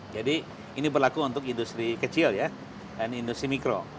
jadi ini berlaku untuk industri kecil dan industri mikro